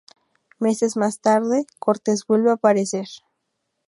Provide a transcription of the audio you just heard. Meses más tarde, Cortez vuelve a aparecer.